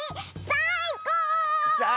さいこう！